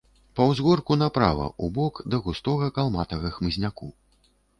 Па ўзгорку направа, убок, да густога калматага хмызняку.